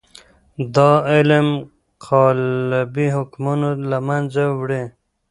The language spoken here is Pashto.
دا علم قالبي حکمونه له منځه وړي.